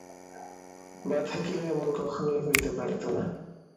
মা থাকিলে এমন কখনোই হইতে পারিত না।